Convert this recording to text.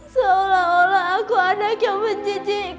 seolah olah aku anak yang menjetik